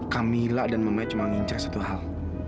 kamila dan mama cuma ngincer satu hal